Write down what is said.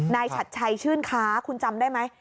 ฉัดชัยชื่นค้าคุณจำได้ไหม